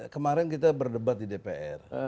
kemarin kita berdebat di dpr